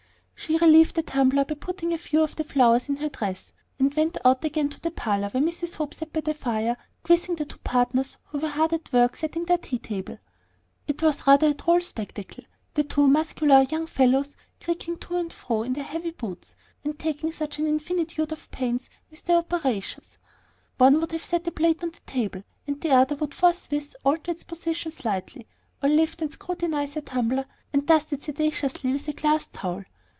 She relieved the tumbler by putting a few of the flowers in her dress, and went out again to the parlor, where Mrs. Hope sat by the fire, quizzing the two partners, who were hard at work setting their tea table. It was rather a droll spectacle, the two muscular young fellows creaking to and fro in their heavy boots, and taking such an infinitude of pains with their operations. One would set a plate on the table, and the other would forthwith alter its position slightly, or lift and scrutinize a tumbler and dust it sedulously with a glass towel.